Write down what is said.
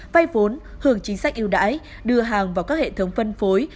vay vốn hưởng chính sách yêu đãi đưa hàng vào các hệ thống phân phối